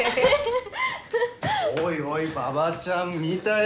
おいおい馬場ちゃん見たよ。